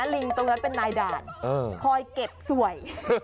ลิงตรงนั้นเป็นนายด่านคอยเก็บสวย